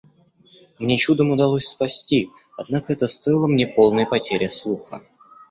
Мне чудом удалось спасти, однако это стоило мне полной потери слуха.